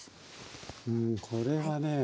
うんこれはね